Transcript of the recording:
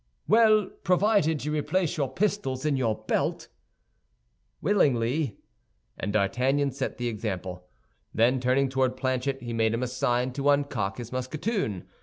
"Well, provided you replace your pistols in your belt." "Willingly." And D'Artagnan set the example. Then, turning toward Planchet, he made him a sign to uncock his musketoon.